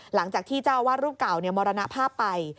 หลังจากที่เจ้าอาวาสรูปเก่ามรณภาพไป